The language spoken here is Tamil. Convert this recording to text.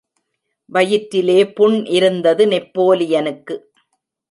வயிற்றிலே புண் இருந்தது நெப்போலியனுக்கு.